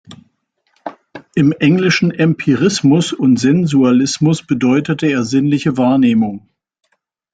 Im englischen Empirismus und Sensualismus bedeutete er sinnliche Wahrnehmung.